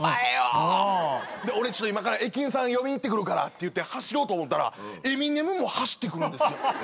「俺ちょっと今から駅員さん呼びに行ってくるから」って言って走ろうと思ったらエミネムも走ってくるんですよ。